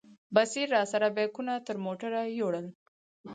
بصیر راسره بیکونه تر موټره یوړل.